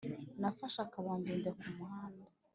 nafashe akabando njya ku muhanda